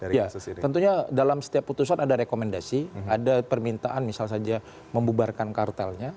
ya tentunya dalam setiap putusan ada rekomendasi ada permintaan misal saja membubarkan kartelnya